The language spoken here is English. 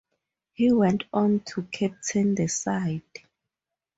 He went on to captain the side.